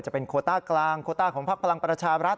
จะเป็นโคต้ากลางโคต้าของภาพพลังประชารัฐ